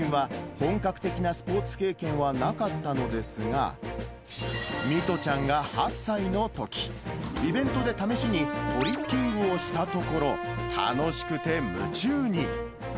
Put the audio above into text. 弥都ちゃんの両親は、本格的なスポーツ経験はなかったのですが、弥都ちゃんが８歳のとき、イベントで試しにトリッキングをしたところ、楽しくて夢中に。